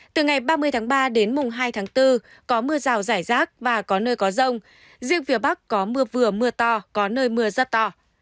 từ ngày ba mươi tháng ba đến mùng hai tháng bốn có mưa rào rải rác và có nơi có rông riêng phía bắc có mưa vừa mưa to có nơi mưa rất to